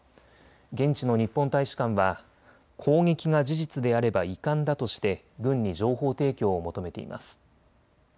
現地の日本大使館は攻撃が事実であれば遺憾だとして軍に情報提供を求めています。